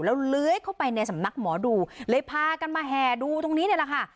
แล้วเลื้อยเข้าไปในสำนักหมอดูเลยพากันมาแห่ดูตรงนี้เนี่ยแหละค่ะ